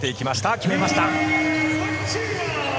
決めました。